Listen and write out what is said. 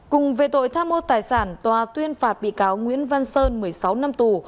cùng về tội tham mô tài sản tòa tuyên phạt bị cáo nguyễn văn sơn một mươi sáu năm tù